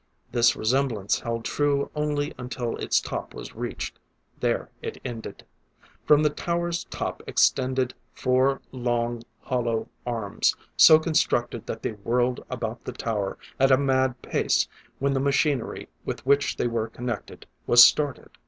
This resemblance held true only until its top was reached; there it ended. From the tower's top extended four long, hollow arms, so constructed that they whirled about the tower at a mad pace when the machinery with which they were connected was started.